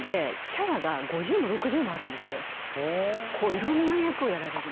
いろんな役をやられるんですよ。